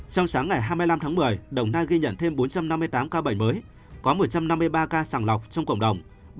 trong sáng ngày hai mươi năm tháng một mươi đồng nai ghi nhận thêm bốn trăm năm mươi tám ca bệnh mới có một trăm năm mươi ba ca sàng lọc trong cộng đồng